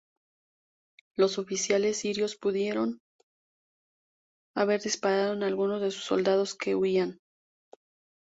Los oficiales sirios pudieron haber disparado a algunos de sus soldados que huían.